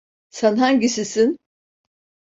Sen hangisisin?